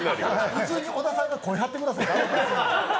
普通に小田さんが声張ってくださいって。